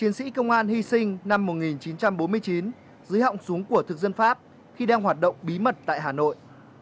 liệt sĩ cao văn hình chiến sĩ công an hy sinh năm một nghìn chín trăm bốn mươi chín dưới họng súng của thực dân pháp khi đang hoạt động bí mật tại hà nội